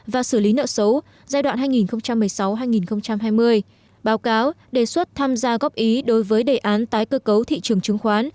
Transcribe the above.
và xử lý nợ xấu giai đoạn hai nghìn một mươi sáu hai nghìn hai mươi báo cáo đề xuất tham gia góp ý đối với đề án tái cơ cấu thị trường chứng khoán